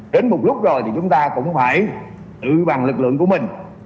đến một lúc rồi thì chúng ta cũng phải tự bằng lực lượng của mình